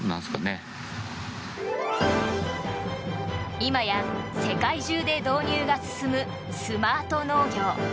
今や世界中で導入が進むスマート農業。